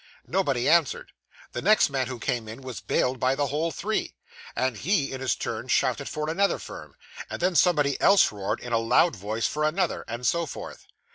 Nobody answered; the next man who came in, was bailed by the whole three; and he in his turn shouted for another firm; and then somebody else roared in a loud voice for another; and so forth.